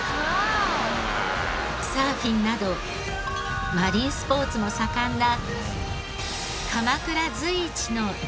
サーフィンなどマリンスポーツも盛んな。